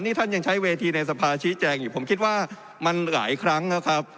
นี่ท่านยังใช้เวทีในสภาชี้แจงอยู่ผมคิดว่ามันหลายครั้งแล้วครับ